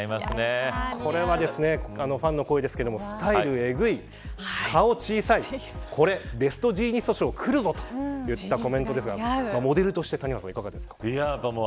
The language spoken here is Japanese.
これはファンの声ですけれどもスタイルエグイ、顔小さいこれ、ベストジーニスト賞くるぞといったコメントですがモデルとして谷原さん、いかがですか。